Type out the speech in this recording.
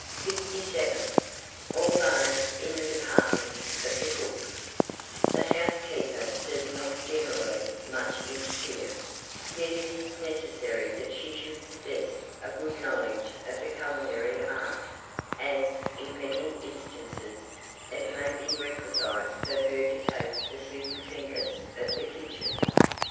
57. ALTHOUGH IN THE DEPARTMENT OF THE COOK, the housekeeper does not generally much interfere, yet it is necessary that she should possess a good knowledge of the culinary art, as, in many instances, it may be requisite for her to take the superintendence of the kitchen.